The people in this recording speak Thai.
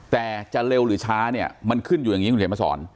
แต่จะเร็วหรือช้าเนี่ยมันขึ้นอยู่อย่างนี้คุณเขียนมาสอน